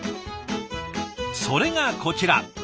それがこちら。